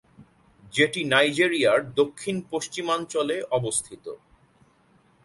যেটি নাইজেরিয়ার দক্ষিণ-পশ্চিমাঞ্চলে অবস্থিত।